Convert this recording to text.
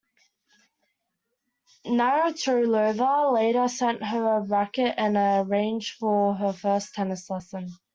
Navratilova later sent her a racquet and arranged for her first tennis lesson.